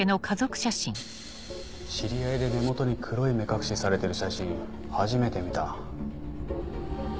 知り合いで目元に黒い目隠しされてる写真初めて見た。